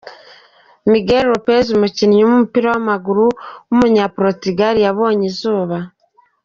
Miguel Lopes, umukinnyi w’umupira w’amaguru w’umunyaportigal yabonye izuba.